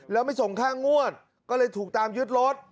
แล้วไม่ส่งค่างวดก็เลยถูกตามยึดรถ